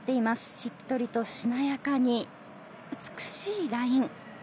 しっとりとしなやかに美しいライン。